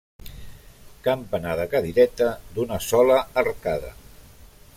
Campanar de cadireta d'una sola arcada.